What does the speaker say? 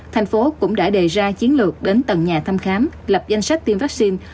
thành phố cũng đã đề ra chiến lược đến tầng nhà thăm khám lập danh sách tiêm vaccine